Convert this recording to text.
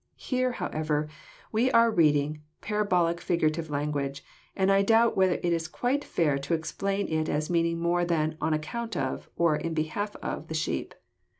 Here, however, we are reading parabolic figurative language, and I doubt whether it is quite fair to explain it as meaning more than " on account of," or " in behalf of," the sheep.